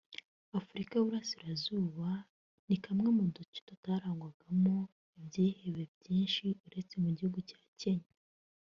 Afurika y’iburasirazuba ni kamwe mu duce tutarangwagamo ibyihebe byinshi uretse mu gihugu cya Kenya